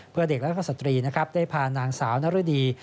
เพื่อเด็กและสตรีได้พานางสาวนรดี